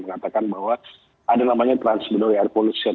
mengatakan bahwa ada namanya trans bdu air pollution